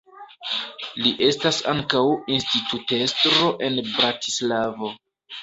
Li estas ankaŭ institutestro en Bratislavo.